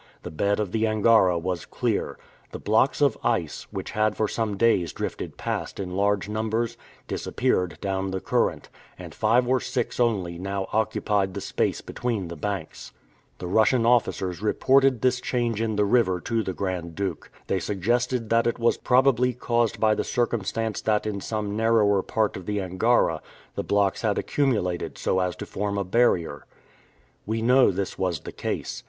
The bed of the Angara was clear. The blocks of ice, which had for some days drifted past in large numbers, disappeared down the current, and five or six only now occupied the space between the banks. The Russian officers reported this change in the river to the Grand Duke. They suggested that it was probably caused by the circumstance that in some narrower part of the Angara, the blocks had accumulated so as to form a barrier. We know this was the case.